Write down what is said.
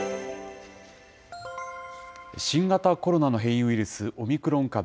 新型コロナの変異ウイルス、オミクロン株。